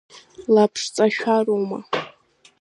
Лаԥшҵашәароума?